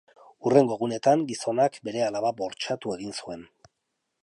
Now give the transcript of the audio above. Hurrengo egunetan, gizonak bere alaba bortxatu egin zuen.